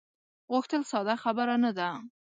غوښتل ساده خبره نه ده.